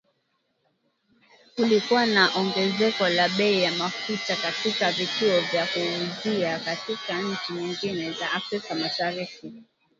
Kulikuwa na ongezeko la bei ya mafuta katika vituo vya kuuzia katika nchi nyingine za Afrika Mashariki